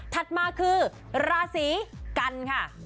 ถัดมาคือราศีกันค่ะ